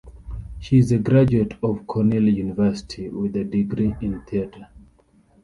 She is a graduate of Cornell University, with a degree in Theater.